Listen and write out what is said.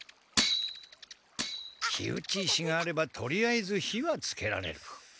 火打ち石があればとりあえず火はつけられる。